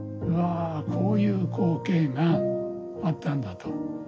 うわこういう光景があったんだと。